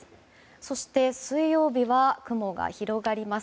そして、水曜日は雲が広がります。